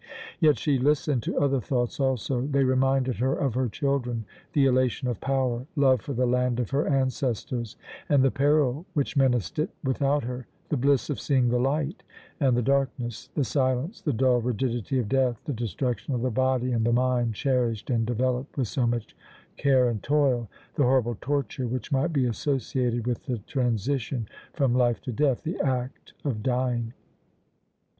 Yet she listened to other thoughts also. They reminded her of her children, the elation of power, love for the land of her ancestors, and the peril which menaced it without her, the bliss of seeing the light, and the darkness, the silence, the dull rigidity of death, the destruction of the body and the mind cherished and developed with so much care and toil, the horrible torture which might be associated with the transition from life to death the act of dying.